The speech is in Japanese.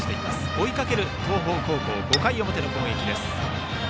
追いかける東邦高校５回表の攻撃です。